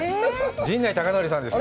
陣内孝則さんです。